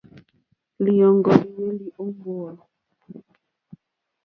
Lǐyɔ̀ŋgɔ́ líhwélì ó mbówà.